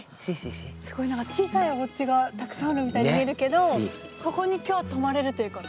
すごい何か小さいおうちがたくさんあるみたいに見えるけどここに今日泊まれるということ？